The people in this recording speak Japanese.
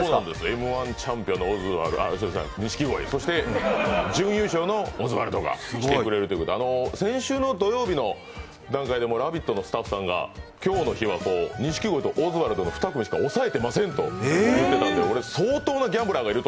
Ｍ−１チャンピオンの錦鯉そして、準優勝のオズワルドが来てくれるという、先週の土曜日の段階で「ラヴィット！」のスタッフさんが今日の日は錦鯉とオズワルドの２組しか押さえてませんと言ってたので、相当なギャンブラーがいると